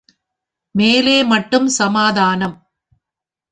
மேலே மட்டும் சமாதானம்.